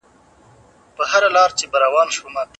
زه به اوږده موده د سبا لپاره د نوټونو ليکل کړي وم.